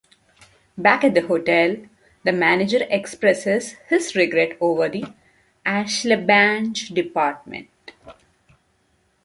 Back at the hotel, the Manager expresses his regret over Aschenbach's departure.